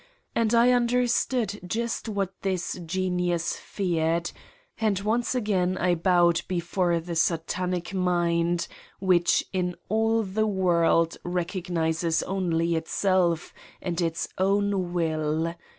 And I understood just what this genius feared, and once again I bowed before the Satanic mind which in all the 198 Satan's Diary world recognized only itself and its own will.